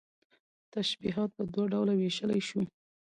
تشبيهات په دوه ډوله ويشلى شو